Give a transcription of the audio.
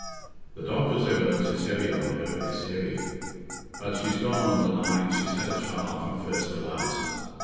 The doctors' evidence is heavy on her—is heavy. But she's gone on denying she's had a child from first to last.